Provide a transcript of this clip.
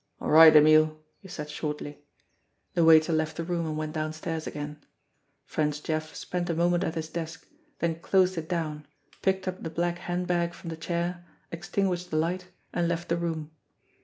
"All right, Emile," he said shortly. The waiter left the room and went downstairs again. French Jeff spent a moment at his desk, then closed it down, picked up the black handbag from the chair, extin guished the light, and left the room.